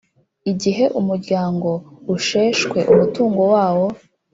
Igihe umuryango usheshwe umutungo wawo